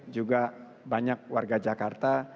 juga banyak warga jakarta